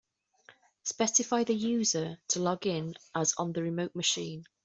Specify the user to log in as on the remote machine.